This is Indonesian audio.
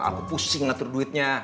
aku pusing ngatur duitnya